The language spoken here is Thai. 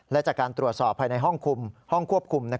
และจากการตรวจสอบภายในห้องควบคุม